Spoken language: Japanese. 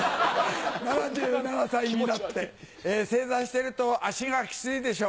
７７歳になって正座してると足がキツいでしょう？